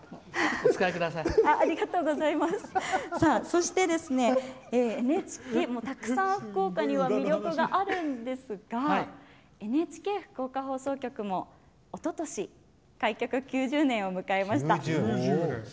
そして、たくさん福岡には魅力があるんですがＮＨＫ福岡放送局もおととし、開局９０年を迎えました。